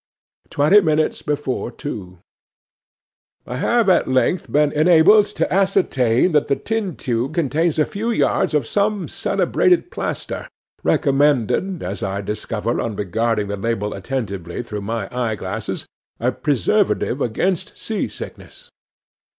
'Twenty minutes before two. 'I HAVE at length been enabled to ascertain that the tin tube contains a few yards of some celebrated plaster, recommended—as I discover on regarding the label attentively through my eye glass—as a preservative against sea sickness.